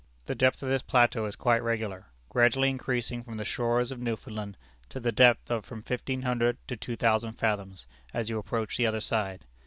The depth of this plateau is quite regular, gradually increasing from the shores of Newfoundland to the depth of from fifteen hundred to two thousand fathoms, as you approach the other side.